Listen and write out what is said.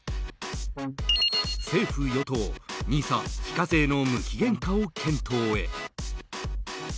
政府・与党、ＮＩＳＡ非課税の無期限化を検討へ。